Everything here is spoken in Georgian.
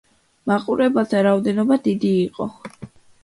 მაყურებელთა რაოდენობა დიდი იყო.